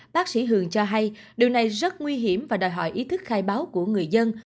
bác sĩ hường cho hay điều này rất nguy hiểm và đòi hỏi ý thức khai báo của người dân